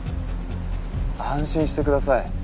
安心してください。